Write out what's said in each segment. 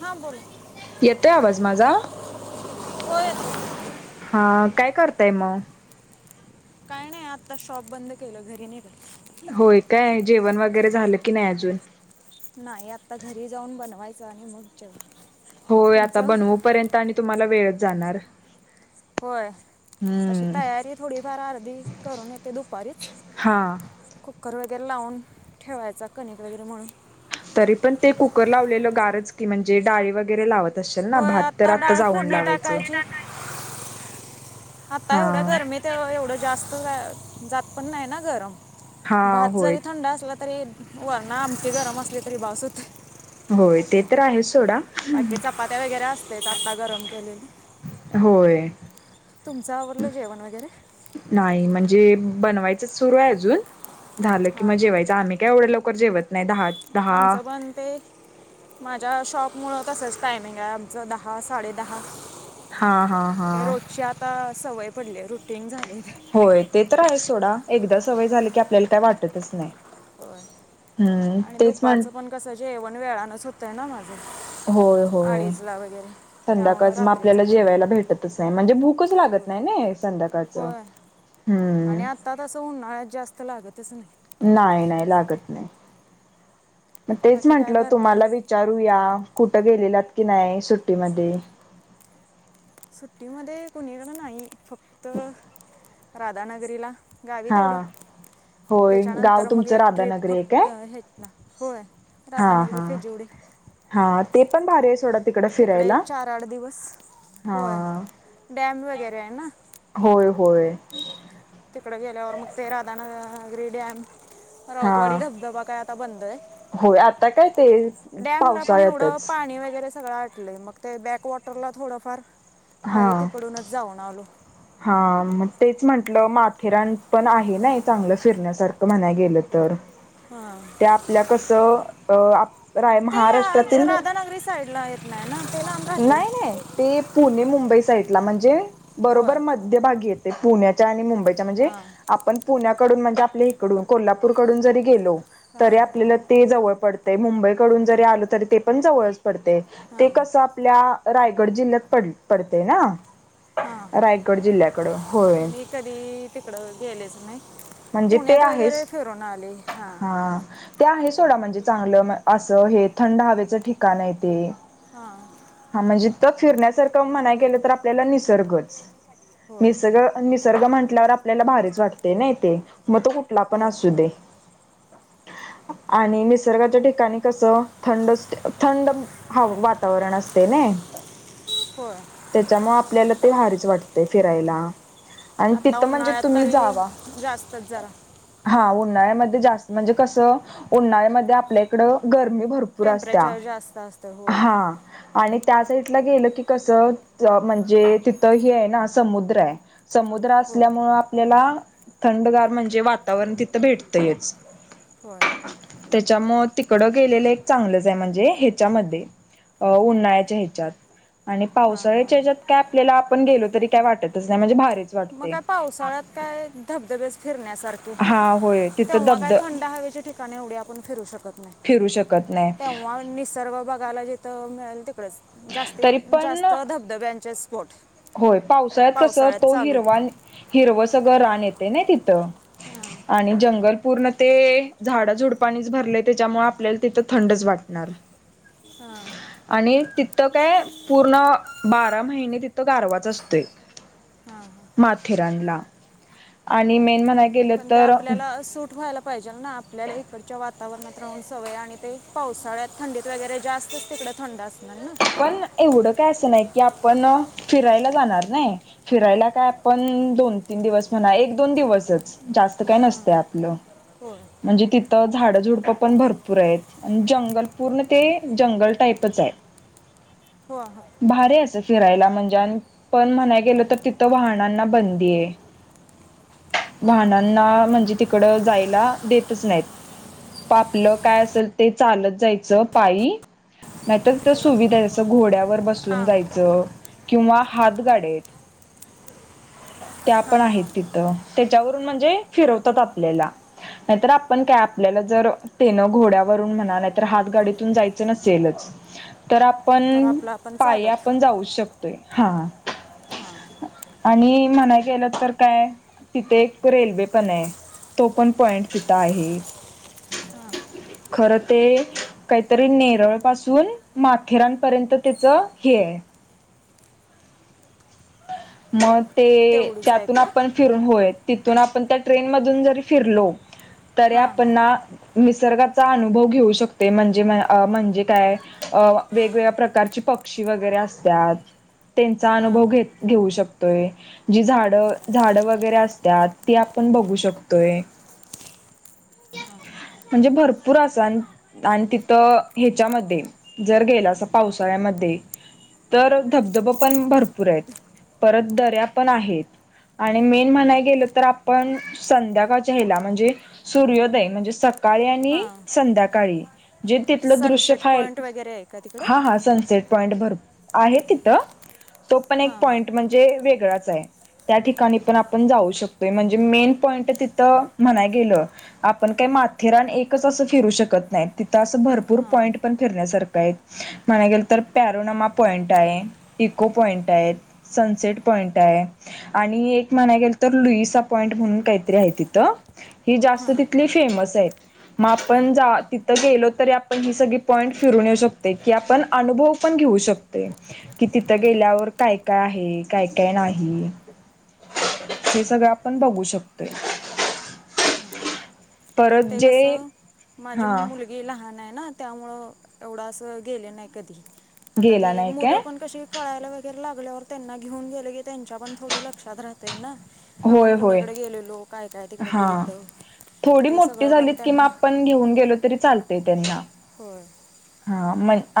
हां बोला येतोय आवाज माझा. होय येतोय हा ऽऽऽकाय करताय मग, काय नाईआता शॉप बंद केलं, घरीऽऽ होय काय,, जेवण वगैरे झालं की नाही अजून, नाही आता घरी जाऊन बनवायचं आणि मग जेवऽऽ होय आता बनवू पर्यंत आणि तुम्हाला वेळच जाणार. होय,, तशी हम्म तयारी थोडीफार अर्धी करून येतोय दुपारीच. हां कर वगैरे लावून, ठेवायचा, कणिक वगैरे मळून. तरी पण ते कुकर लावलेलं गारच की म्हणजे डाळी वगैरे लावतऽऽ तशील ना होय भात तर आत्ता आता डाळ जाऊन लावायचं. आता एवढ्या हा गरमी ते एवढं जास्त. अं ऽ, जात पण नाही ना गरम,, हा भात होय. जरी थंड असला तरीऽऽ वरनं आमटी गरम असली तरी बास हुतयऽ होय ते तर आहेचऽऽ बाकी चपात्या वगैरे असतयच आता गरम केलेली. होय,, तुमचं आवरलं जेवण वगैरे नाही म्हणजेऽऽ बनवायचंच सुरू आय अजून,, झालं की हां मग हां जेवायचं,,, आम्ही काय एवढं लवकर जेवत नाही दहाऽऽ आमचं पण ते,, माझ्या शॉपऽऽ मुळं तसंच टायमिंग हाय आमचं,, दहा, साडे दहा. हा हा ते हा रोजची आताऽऽ सवय पडलीय, रुटीन झालय. होय, ते तर आहेच सोडा,, एकदा सवय झाली की आपल्याला काय वाटतच नाइ. वय, म्हण दुपारचं पण कसं जेवण वेळानच होतंय ना माझं. होय, होय, अडीचला वगैरे त्यामुळं संध्याकाळच म रात्रीचं आपल्याला पण जेवायला भेटतचं आय म्हणजे भूऽऽ कुच लागत होय नाई नाइ संध्याकाळचं? होय हं. आणि आत्ता तसं उन्हाळ्यात जास्त लागतच नाही नाही, नाही, लागत नाई. म तेच बाकी काय म्हंटलं करताय तुम्हाला विचारूया, कुठं गे लेल्यात की नाई, सुट्टीमध्ये? सुट्टीमध्ये कुणीकडं नाही. फक्त राधानगरीला. गावी हा तेवढं होय गाव त्याच्यानंतर मग तुमचं एक ट्रिप राधानगरी आहे काय फक्त हेच ना. होय. हा राधाानगरी हा भेजउडे - - हा ते पण भारी हाय सोडा - - तिकडे एक चार, आठ दिवस. हा होय. डॅम वगैरे हायना. होय होय. तिकडे गेल्यावर मग ते राधानगरी डॅम राऊतवाडी हा धबधबा काय आता बंद हाय. होय. आता काय ते पण एवढं पावसाळ्यातच पाणी वगैरे [unintelligible] मग ते बॅकवॉटरला थोडंफार हा आहे तिकडूनच जाऊन आलो. हा मग तेच म्हंटलं माथेरान पण आहे ना चांगलं फिरण्यासारखं म्हणाय गेलं तर हां त्या आपल्या कस अ - - राय ते अ, महाराष्ट्रातील राधानगरी साईडला येत नाही ना ते लांब राहते नाही, नाही. ते पुणे मुंबई - - साइटला म्हणजे होय बरोबर मध्य भगी येतयं पुण्याच्या आणि मुंबईच्या म्हणजे हां आपण पुण्यात कडुन म्हणजे आपल्या इकडून कोल्हापूर कडून जरी गेलो हां तरी हां आपल्याला जवळ - - पडतयं मुंबईकडून जरी आल तरी ते पण जवळ पडतयं ते हां कस आपल्या - - रायगड जिल्ह्यात पड पडतयं ना? हा. रायगड जिल्ह्याकडं होय मी कधी तिकडं गेलेच नाय. म्हणजे ते आहेच हा ते आहे सोडा म्हणजे - - चांगलं असं हे थंड हवेचं ठिकाण आहे ते - हां - हा म्हणजे तथ फिरण्यासारखं म्हणाय गेलं तर आपल्याला निसर्गच. होय निसग निसर्ग म्हंटल्यावर आपल्याला भारीच वाटतयं नाई ते मग तो कुठला पण होय असू दे. [inaudible] आणि निसर्गाच्या ठिकाणी कस - - थंडच थंड ह वातावरण असतयंनि- होय - त्याच्यामुळ आपल्याला ते भारीच वाटतयं फिरायला. आणि आता तिथं म्हणजे उन्हाळ्यात तुम्ही जावा. तरी जास्तच जरा हा. उन्हाळ्यामध्ये जास्त - - म्हणजे कस उन्हाळ्यामध्ये आपल्याहिकडं गर - - मी भरपुर असत्या टेम्परेचर जास्त असतं होय हां. आणि त्या सा इटला गेलं की कस म्हणजे तिथं हे हाय ना समुद्र हाय. समुद्र होय असल्यामुंळ आपल्याला थंडगार म्हणजे वातावरण तिथं भेटतंयच. होय त्याच्यामुळं तिकड गेलेलं एक चांगलंच हाय म्हणजे ह्याच्यामध्ये उन्हाळ्याच्या ह्याच्यात आणि हां हां पावसाळ्याच्या हेच्यात काय आपल्याला आपण गेलो तरी काय वाटतच नाही म्हणजे भा मग काय पावसाळ्यात काय धबधबेस फिरण्यासारखे - हा होय - तिथं तेव्हा काय धबध थंड हवेच्या ठिकाणी एवढे आपण फिरू शकत - - नाही फिरू शकत नाही तेव्हा निसर्ग बघायला जेथं मिळेल तिकडेचं जास्तीत तरी पण जास्त धबधब्यांचे स्पोट. पावसाळ्यात हो. चालू हरवा हिरव सगळं रान येत नई तिथ हां आणि जंगल पूर्ण ते झाडाझुडपाणीच भरलय त्याच्यामुळे आपल्याला तिथं थंडच वाटणार. हा. आणि तिथं काय पूर्ण बारा महिने तिथं गारवाच असतोय. हां हां माथेरानला आणि मेन म्हणाय गेलं पण ते तर आपल्याला सूट व्हायला पाहिजे ना? आपल्याला इकडच्या वाता वरणात राहून सवय आणि ते पावसाळ्यात थंडीत वगैरे जास्तच तिकडं थंड असणार ना. पण एवढं काय असं ना, की आपण फिरायला जाणार नई फिरायला काय आपण दोन तीन दिवस म्हणा एक दोन दिवसच जास्त काय हां नसते आपलं. होय म्हणजे तिथं झाड झुडप पण भरपूर आहेत आणि जंगल पूर्ण ते जंगल टाईपच हो भारी असं फिरायला म्हणजे पण म्हणाय गेल तर तिथं वाहनांना बंदी आहे. हां वाहनांना म्हणजे तिकड जायला देतच नाहीत. आपआपलं काय असेल ते चालत जायचं पायी नाहीतर सुविधा जस घोड्यावर बसून हां जायचं. किंवा हात गाडेत त्या पण हां आहेत हां तिथं. त्याच्यावरून म्हणजे फिरवतात आपल्याला. नाहीतर आपण काय आपल्याला जर तेन घोड्यावरून म्हणा नाहीतर हात गाडीतून जायचं नसेलच [inaudible] तर तर आपण आपलं आपण पायी चालत आपण जाऊच शकतोय हा. हां आणि म्हणाय गेलं तर काय तिथे एक रेल्वे पण आहे. तो पण पॉइंट तिथं आहे. हां खर ते काहीतरी नेरळ पासून माथेरानपर्यंत त्याच हे आहे. मग ते तेवढीच आहे त्यातून का आपण फिरून होय. तिथून आपण त्या ट्रेन मधून जरी फिरलो तरी हां आपण ना निसर्गाचा अनुभव घेऊ शकते म्हणजे म्हणजे काय वेगवेगळ्या प्रकारची प पक्षी वगैरे असतात त्यांचा हां अनुभव घेत घेऊ शकतोय जी झाडं झाड वगैरे असत्यात ती आपण बघू शकतोय. हा हा म्हणजे भरपूर अस आणि तिथ ह्याच्यामध्ये जर गेलासा पावसाळ्या म मध्ये तर धबधब पण भरपूर आहेत. परत दऱ्या पण आहेत. आणि मेन म्हणाय गेलं तर आपण संध्याकाळच्या ह्याला म्हणजे सूर्योदय म्हणजे स सकाळी आणि हां संध्याकाळी जे तिथलं दृश्य सनसेट फायल पॉईंट वगैरे आहे का तिकडं हा हा सनसेट. पॉइन्ट भर आहे तिथ तो पण एक हां पॉइन्ट म्हणजे वेगळाच आहे. त्या ठिकाणी पण आपण जाऊ शकतोय म्हणजे मेन पॉईंट तिथं म्हणाय गेलं आपण काय माथेरान एकच अस फिरू शकत नाही तिथ अस भरपूर हां पॉईंट पण फिरण्यासारखं आहेत. म्हणाय गेल नंतर पॅरोनामा पॉइंट आहे इको पॉइंट आहेत. सनसेट पॉइंट आहे आणि एक म्हणाय गेल तर लुईसा पॉईंट म्हणून आहे काहीतरी तीथ. ही जास्त हां तिथली फेमस आहे. मग आपण तिथ गेलो तरी आपण ही सगळी पॉइंट फिरून येऊ शकते की आपण अनुभव पण घेऊ शकतोय की तिथ हां हां गेल्यावर काय काय आहे काय काय नाही. हे सगळं आपण बघू शकतोय. परत ते जे कस माझी हा मुलगी लहान आहे. ना त्यामुळं एवढं असं गेले नाही कधी. आता गेला ती नाही मुलं काय पण कशी कळायला वगैरे लागल्यावर त्यांना घेऊन गेलं की त्यांच्या पण थोड लक्षात राहतय ना आपण होय होय कुनिकडे गेलेलो काय. काय तिकडं हा. बघितलं. थोडी ते मोठी सगळं पण झालीत किं त्यांना आपण घेऊन गेलो तरी चालते त्यांना. होय.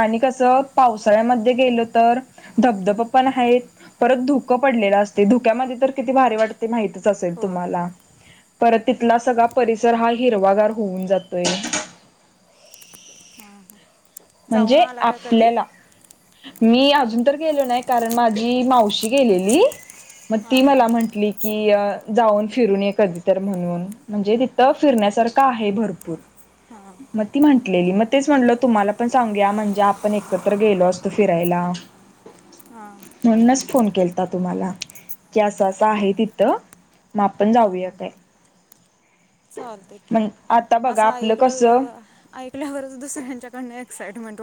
आणि कस पावसाळ्यामध्ये गेल तर धबधब पण आहेत. परत धुक पडलेलं असते धुक्यामध्ये तर किती भारी वाटते माहतीच असेल होय तुम्हाला. हां परत तिथला सगळा परिसर हा हिरवागार होऊन जातोय [inaudible] हां जाऊन म्हणजे आला का कधी आपल्याला मी अजून तर गेलो नाही कारण माझी मावशी गेलेली मग हां ती हां मला म्हटली की अ जाऊन फिरून कधी तर म्हणून म्हणजे तिथं फिरण्यासारखं आहे भरपूर मग ती म्हटलेली मग तेच म्हटलं तुम्हाला आपण सांगूया म्हणजे आपण एकत्र गेलो असतो फिरायला हां म्हणूनच फोन केलता तुम्हाला की असं असं आहे तिथं माग आपण हां हां जाऊयात आहे चालते की बघा असं आपलं ऐकल कसं ऐकल्यावरच दुसऱ्यांच्याकडन एक्साइटमेट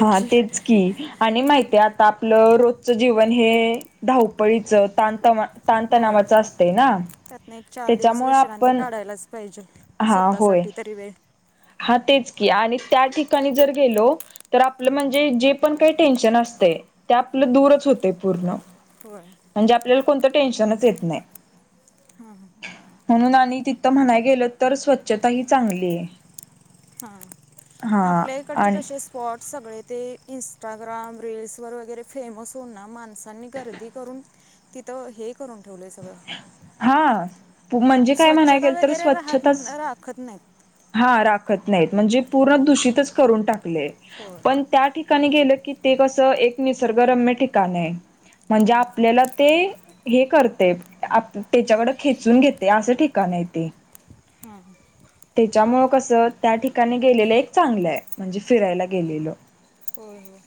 हा तेच की आणि माहितीय आता आता आपलं रोजचं जीवन हे धावपळीच तत तणतणावाचं असते ना त्यातन एक चार दिवस त्याच्यामुळे विश्रांती आपण काढायलाच पाहिजे हा होय स्वतःसाठी तरी वेळ हा तेच की आणि त्या ठिकाणी जर गेलो तर आपलं म्हणजे जे पण काही टेन्शन असते ते आपलं दूरच होते पूर्ण होय म्हणजे आपल्याला कोणतं टेन्शनच येत नाही हां म्हणून आणि तिथं म्हणाय गेलं तर स्वच्छता ही चांगली आहे हा हा आपल्याकडचे आणि कसे स्पॉर्ट सगळे ते इंस्टाग्राम रीलस वर वगैरे फेमस होन ना माणसांनी गर्दी करून तिथं हे करून ठेवलंय सगळं हा म्हणजे काय म्हणाय स्वच्छता गेल तर वगैरे राहत स्वच्छताच राखत नाहीत हा नाही म्हणजे पूर्ण दूषित करून टाक होय पण त्या ठिक ठिकाणी गेलं की ते कसं एक निसर्गरम्य ठिकाण आहे म्हणजे हां आपल्याला ते हे करते त्याच्याकड खेचून घेते असं ठिकाण य तेे हां त्याच्यामुळं कसं त्या ठिकाणी गेलेलं एक चांगलं आहे म्हणजे फिरायला गेलेलं हो हो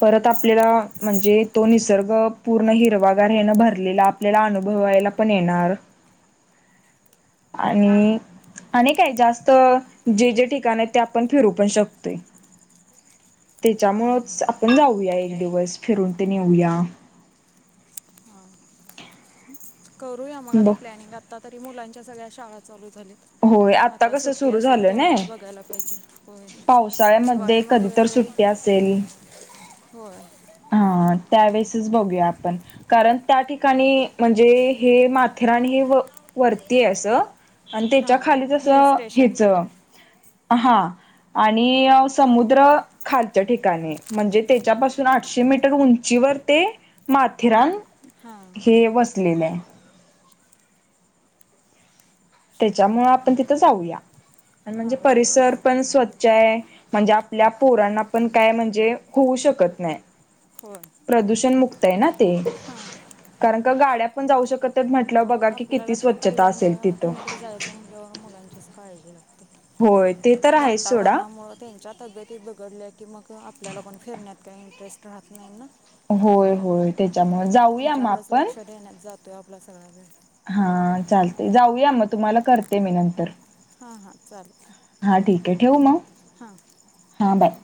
परत आपल्याला म्हणजे तो निसर्ग पूर्ण हिरवागार हेण भरलेला आपल्याला अ अनुभवायला पण येणार भदरदलर आणि आणि काय जास्त जे जे ठिकाण आहे ते आपण फिरू पण शकतोय हां त्याच्यामुळेच आपण जाऊ ऊया एक दिवस फिरून ते नऊया हां करूया मग आता प्लॅनिंग आता तरी मुलांच्यागळ्या शाळा चालू होय आता कसं सुट्टी सुरू असेल झालं नाय तेव्हाच बघायला पाहिजे होय पावसाळ्यामध्ये दिवाळीमध्ये कधी तर सुट्टी असेल हो त्यावेळेसच बघू आपण कारण त्या ठिकाणी म्हणजे हे माथेरान हे वरती अस त्याच्या हां खालीच अस हिल स्टेशन हच हा आणि समुद्र खालच्या ठिकाणी म्हणजे त्याच्यापासून आठ आठशे मीटर उंचीवर ते माथेरान हां हे वसलेले आहे त्याच्यामुं आपण तिथं जाऊया आणि म्हणजे हां परिसर पण स्वच्छ आहे म्हणजे आपल्या पोरांना पण काय म्हणजे होऊ शकत नाही होय प्रदूषण मुक्त आहे ना ते हां कारण का गाड्या पण जाऊ शकत बघा की आपल्याला किती तरी स्वच्छता असेल पहिल्यांदा कुणीकडे जायचं म्हटल्यावर मुलांचीच काळजी लागते होय ते तर आहेच सोडा च्या तब्येती बघडल्या की मग आपल्याला पण फिरण्यात काही इंटरेस्ट राहत नाही ना होय होय त्याच्यामु जाऊया मग त्यांच्याकडेच आपण लक्ष देण्यात जातो आहे आपला सांला आहे हा चालते जाऊया मग तुम्हाला करते मी नंतर हा हा चालेल ते ठेव मग हा हां बाय